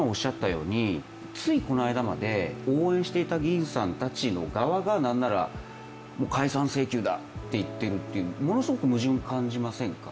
ついこの間まで応援していた議員さんの側が何なら解散請求だといっているという、ものすごい矛盾を感じませんか？